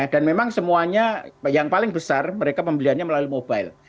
dan memang semuanya yang paling besar mereka pembeliannya melalui mobile